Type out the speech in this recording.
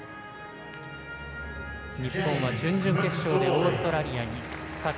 日本は準々決勝でオーストラリアに勝ち。